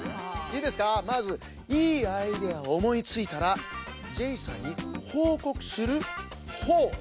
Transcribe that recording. いいですかまずいいアイデアをおもいついたらジェイさんにほうこくする「ほう」！